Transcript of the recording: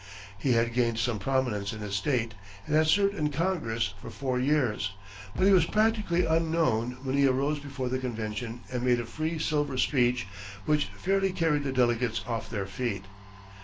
He had gained some prominence in his state, and had served in Congress for four years, but he was practically unknown when he arose before the convention and made a free silver speech which fairly carried the delegates off their feet.